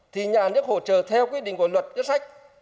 thì nhà nước hỗ trợ theo quy định của luật ngân sách